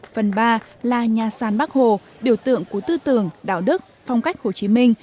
phần ba là nhà sàn bắc hồ biểu tượng của tư tưởng đạo đức phong cách hồ chí minh